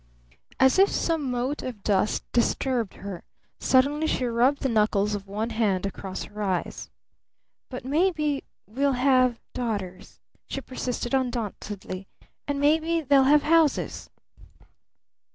As if some mote of dust disturbed her, suddenly she rubbed the knuckles of one hand across her eyes. "But maybe we'll have daughters," she persisted undauntedly. "And maybe they'll have houses!"